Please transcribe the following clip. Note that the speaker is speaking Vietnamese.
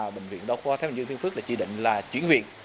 bệnh viện đa khoa thái bình dương tiên phước là chỉ định là chuyển viện